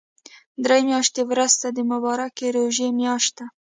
دري مياشتی ورسته د مبارکی ژوری مياشت ده